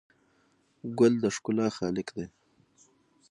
ګل د ښکلا خالق دی.